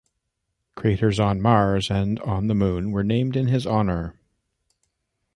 Craters on Mars and on the Moon were named in his honor.